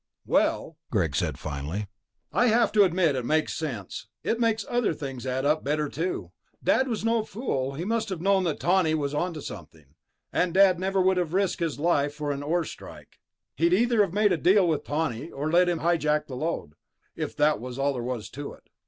"Well," Greg said finally, "I have to admit it makes sense. It makes other things add up better, too. Dad was no fool, he must have known that Tawney was onto something. And Dad would never have risked his life for an ore strike. He'd either have made a deal with Tawney or let him hijack the lode, if that was all there was to it.